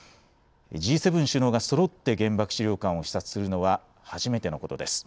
Ｇ７首脳がそろって原爆資料館を視察するのは初めてのことです。